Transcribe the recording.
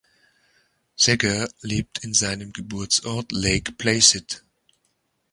Segger lebt in seinem Geburtsort Lake Placid.